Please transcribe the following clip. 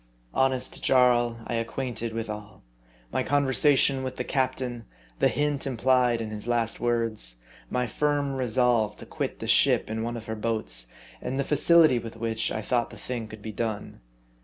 Honest Jarl, I acquainted with all : my con versation with the captain, the hint implied in his last words, my firm resolve to quit the ship in one of her boats, and the facility with which I thought the thing could be done.